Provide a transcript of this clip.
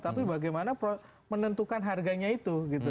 tapi bagaimana menentukan harganya itu gitu